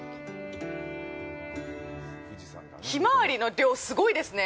ひまわりの量、すごいですね。